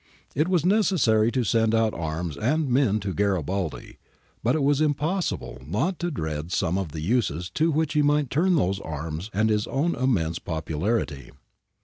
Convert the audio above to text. It was necessary to send out arms and men to Garibaldi, but it was impossible not to dread some of the uses to which he might turn those arms and his own immense popularity.